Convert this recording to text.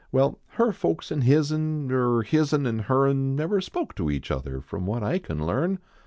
Well, her folks an hiz n, Er hiz n an her n, Never spoke to each other From what I can learn.